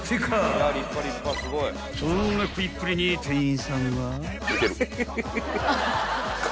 ［そんな食いっぷりに店員さんは］